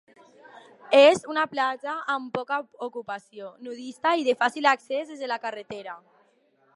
És una platja amb poca ocupació, nudista i de fàcil accés des de la carretera.